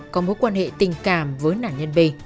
có mối quan hệ tình cảm với nạn nhân b